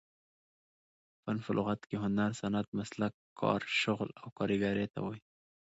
فن په لغت کښي هنر، صنعت، مسلک، کار، شغل او کاریګرۍ ته وايي.